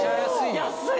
安い！